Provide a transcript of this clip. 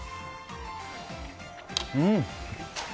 うん。